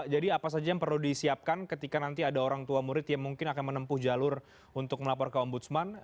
jadi apa saja yang perlu disiapkan ketika nanti ada orang tua murid yang mungkin akan menempuh jalur untuk melapor ke om budsman